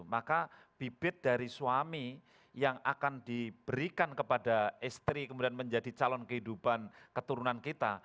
maka bibit dari suami yang akan diberikan kepada istri kemudian menjadi calon kehidupan keturunan kita